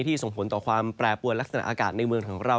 ที่ส่งผลต่อความแปรบกวนลักษณะอากาศในต้องตัด